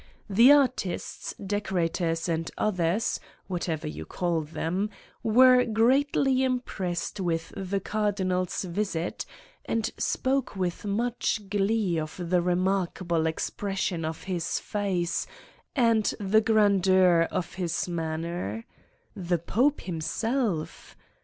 The artists, decorators and others what ever you call them were greatly impressed by the Cardinal's visit, and spoke with much glee of the remarkable expression of his face and the grandeur of his manner! The Pope himself